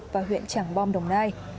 và huyện trảng bom đồng nai